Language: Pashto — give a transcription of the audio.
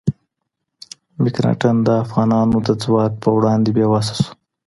مکناتن د افغانانو د ځواک په وړاندې بې وسه شو.